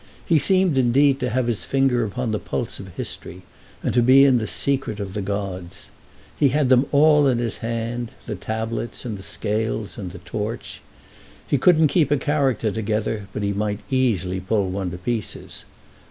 He seemed indeed to have his finger upon the pulse of history and to be in the secret of the gods. He had them all in his hand, the tablets and the scales and the torch. He couldn't keep a character together, but he might easily pull one to pieces.